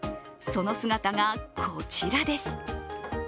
その姿がこちらです。